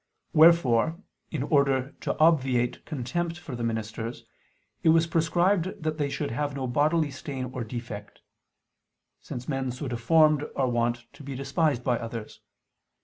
Wherefore, in order to obviate contempt for the ministers, it was prescribed that they should have no bodily stain or defect: since men so deformed are wont to be despised by others.